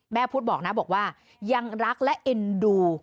พุทธบอกนะบอกว่ายังรักและเอ็นดู